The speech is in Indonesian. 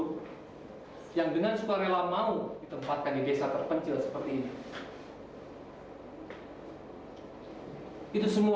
kita sangat beruntung mendapatkan seorang ibu guru